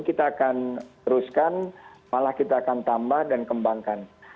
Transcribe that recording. kita akan teruskan malah kita akan tambah dan kembangkan